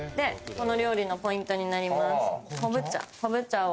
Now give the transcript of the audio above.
この料理のポイントになります、こぶ茶。